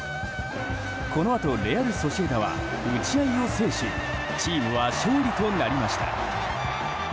このあと、レアル・ソシエダは打ち合いを制しチームは勝利となりました。